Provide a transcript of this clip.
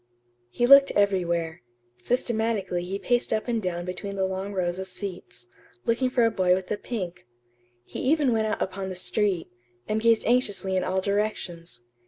He looked everywhere. Systematically he paced up and down between the long rows of seats, looking for a boy with a pink. He even went out upon the street, and gazed anxiously in all directions.